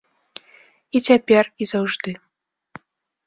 І цяпер, і заўжды.